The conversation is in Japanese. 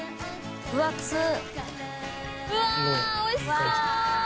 うわっおいしそう！